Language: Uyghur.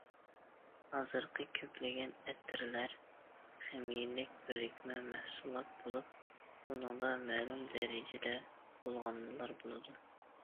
ھازىرقى كۆپلىگەن ئەتىرلەر خىمىيەلىك بىرىكمە مەھسۇلات بولۇپ، ئۇنىڭدا مەلۇم دەرىجىدە بۇلغانمىلار بولىدۇ.